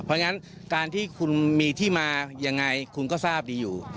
เพราะฉะนั้นการที่คุณมีที่มายังไงคุณก็ทราบดีอยู่